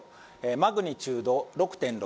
マグニチュード６．６。